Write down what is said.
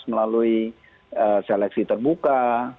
melalui seleksi terbuka